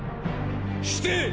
して！